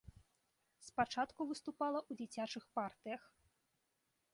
Спачатку выступала ў дзіцячых партыях.